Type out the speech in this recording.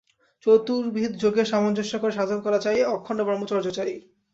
চতুর্বিধ যোগের সামঞ্জস্য করে সাধন করা চাই, অখণ্ড ব্রহ্মচর্য চাই।